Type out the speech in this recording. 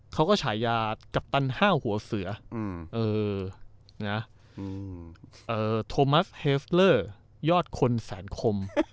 ฉายากัปตันห้าวหัวเสือโทมัสเฮสเลอร์ยอดคนแสนคม